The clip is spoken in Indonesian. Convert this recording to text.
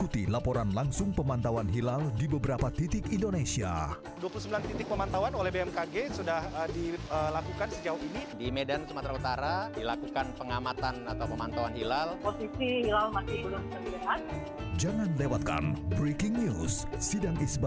sampai jumpa di video selanjutnya